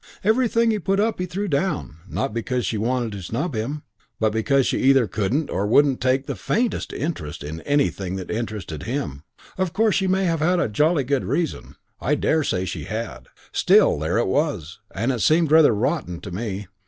Everything he put up he threw down, not because she wanted to snub him, but because she either couldn't or wouldn't take the faintest interest in anything that interested him. Course, she may have had jolly good reason. I daresay she had. Still, there it was, and it seemed rather rotten to me.